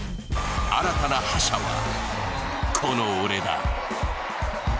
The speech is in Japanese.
新たな覇者は、この俺だ。